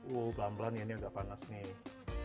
wah pelan pelan ya ini agak panas nih